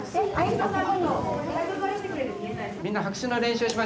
みんな拍手の練習をしましょう。